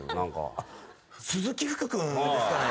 あっ鈴木福君ですかね？